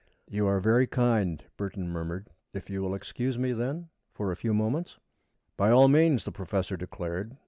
"You are very kind," Burton murmured. "If you will excuse me, then, for a few moments?" "By all means," the professor declared.